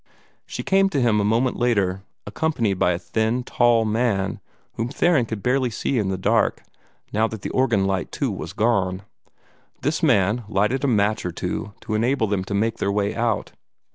She came to him a moment later, accompanied by a thin, tall man, whom Theron could barely see in the dark, now that the organ light too was gone. This man lighted a match or two to enable them to make their way out.